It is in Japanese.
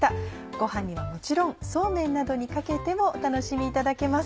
ご飯にはもちろんそうめんなどにかけてもお楽しみいただけます。